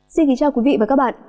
xin kính chào quý vị và các bạn